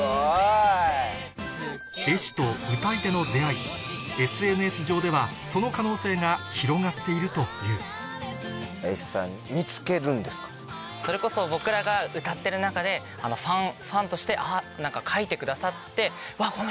絵師と「歌い手」の出会いＳＮＳ上ではその可能性が広がっているというそれこそ僕らが歌ってる中でファンとして描いてくださって。